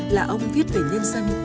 là ông viết về nhân dân